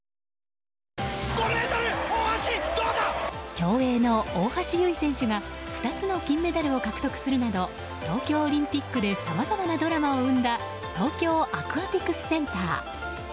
競泳の大橋悠依選手が２つの金メダルを獲得するなど東京オリンピックでさまざまなドラマを生んだ東京アクアティクスセンター。